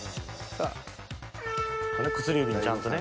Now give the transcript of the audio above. ［薬指にちゃんとね］